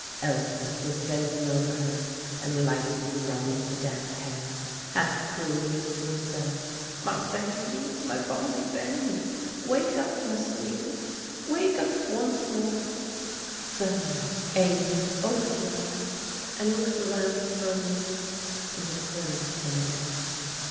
Elspeth was bending over her and lightly rubbing the damp hair, half crooning to herself, "My bairnie, my bonnie bairnie, wake up, my sweetest, wake up once more." Suddenly Aline opened her eyes and looked round for a moment, and then closed them again.